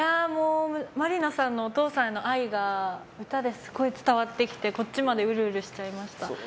真里奈さんのお父さんへの愛が歌ですごい伝わってきてこっちまでうるうるしちゃいました。